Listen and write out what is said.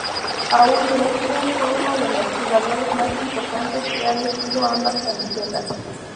Paul Breitner fue uno de los jugadores más importante que ha vestido ambas camisetas.